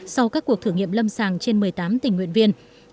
sau các cuộc thử nghiệm lâm sàng trên một mươi tám tình nguyện viên